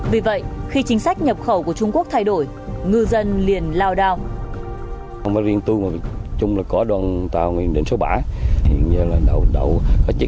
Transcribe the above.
vì vậy khi chính sách nhập khẩu của trung quốc thay đổi ngư dân liền lao đao